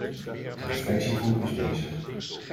De reflectiegroep is bezig.